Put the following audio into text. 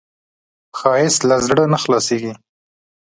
ښایست له زړه نه خلاصېږي